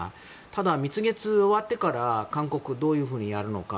ただ蜜月が終わってから韓国、どういうふうにやるのか。